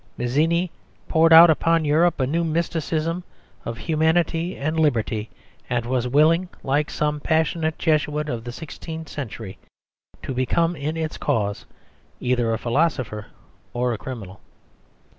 Mazzini poured out upon Europe a new mysticism of humanity and liberty, and was willing, like some passionate Jesuit of the sixteenth century, to become in its cause either a philosopher or a criminal.